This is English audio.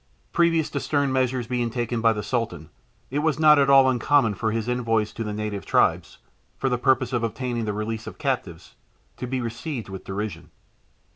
Previous to stern measures being taken by the Sultan, it was not at all uncommon for his envoys to the native tribes for the purpose of obtaining the release of captives to be received with derision.